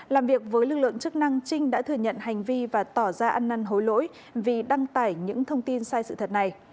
làm việc với lực lượng chức năng trinh đã thừa nhận hành vi và tỏ ra ăn năn hối lỗi vì đăng tải những thông tin sai sự thật này